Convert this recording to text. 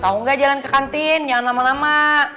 tau gak jalan ke kantin jangan lama lama